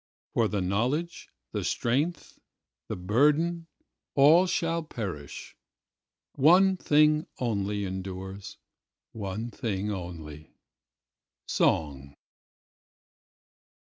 For the knowledge, the strength, the burden—all shall perish:One thing only endures, one thing only—song.